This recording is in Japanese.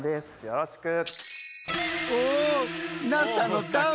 よろしく。